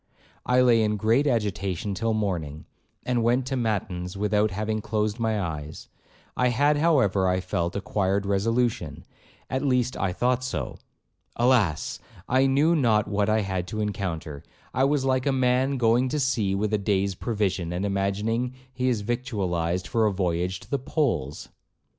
I lay in great agitation till morning, and went to matins without having closed my eyes, I had, however, I felt, acquired resolution,—at least I thought so. Alas! I knew not what I had to encounter. I was like a man going to sea with a day's provision, and imagining he is victualled for a voyage to the poles.